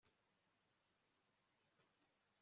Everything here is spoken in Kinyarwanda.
umubyeyi ni umuntu utwite